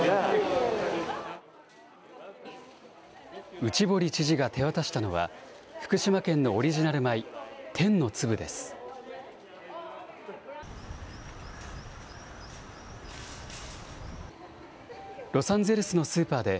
内堀知事が手渡したのは、福島県のオリジナル米、天のつぶです。